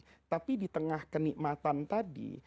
tetapi di tengah kenikmatan tadi